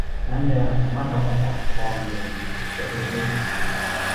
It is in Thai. น้ำยาสามารถทำความสะอาดทองเหลืองเกือบทุกชนิด